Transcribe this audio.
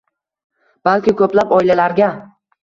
balki ko‘plab oilalarga